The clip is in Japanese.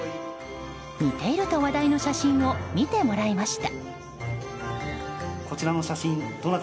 似ていると話題の写真を見てもらいました。